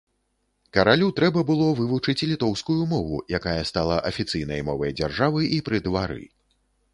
Каралю трэба было вывучыць літоўскую мову, якая стала афіцыйнай мовай дзяржавы і пры двары.